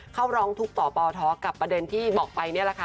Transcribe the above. เข้ารองทุกข์ตอเป๋าท้อกับประเด็นที่บอกไป